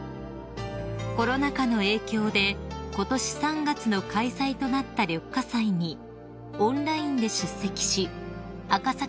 ［コロナ禍の影響でことし３月の開催となった緑化祭にオンラインで出席し赤坂